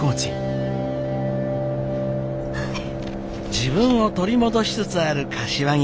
自分を取り戻しつつある柏木